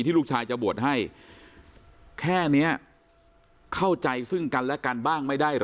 ลูกชายจะบวชให้แค่นี้เข้าใจซึ่งกันและกันบ้างไม่ได้เหรอ